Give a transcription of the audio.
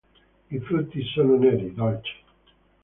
I frutti sono neri, dolci.